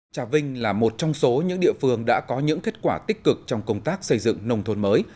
trà vinh là một trong số những địa phương đã có những kết quả tích cực trong công tác xây dựng nông thôn mới